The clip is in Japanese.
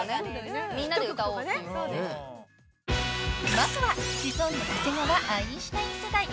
［まずはシソンヌ長谷川アインシュタイン世代］